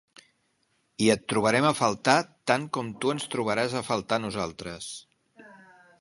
I et trobarem a faltar tant com tu ens trobaràs a faltar a nosaltres.